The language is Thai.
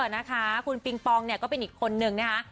นะคะคุณปิงปองเนี่ยก็เป็นอีกคนนึงนะคะ